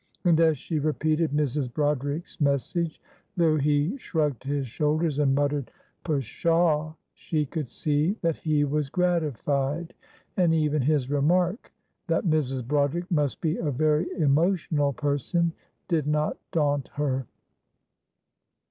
And as she repeated Mrs. Broderick's message, though he shrugged his shoulders and muttered "Pshaw," she could see that he was gratified; and even his remark "that Mrs. Broderick must be a very emotional person" did not daunt her.